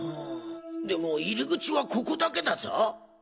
でも入り口はここだけだぞ？